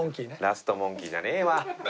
ラストモンキーじゃねえわ。